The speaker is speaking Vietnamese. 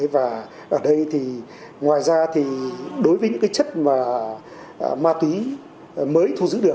và ở đây thì ngoài ra thì đối với những cái chất mà ma túy mới thu giữ được